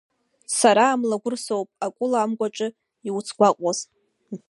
Сара Амлагәыр соуп, Акула амгәаҿы иуцгәаҟуаз.